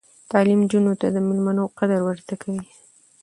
تعلیم نجونو ته د میلمنو قدر ور زده کوي.